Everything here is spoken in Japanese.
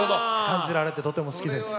感じられてとても好きです。